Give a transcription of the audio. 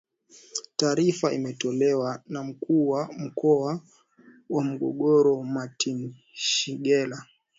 Taarifa imetolewa na Mkuu wa Mkoa wa Morogoro Martine Shigela